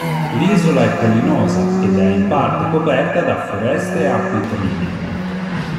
L'isola è collinosa ed è in parte coperta da foreste e acquitrini.